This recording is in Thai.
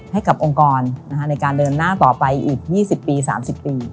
ให้กับองค์กรในการเดินหน้าต่อไปอีก๒๐ปี๓๐ปี